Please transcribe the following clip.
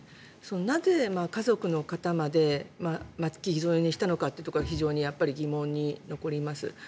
なぜ家族の方まで巻き添えにしたのかというところが非常にやっぱり疑問に残ります。